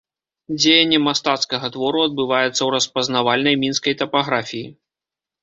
Дзеянне мастацкага твору адбываецца ў распазнавальнай мінскай тапаграфіі.